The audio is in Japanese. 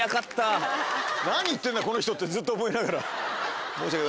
「何言ってんだこの人」ってずっと思いながら。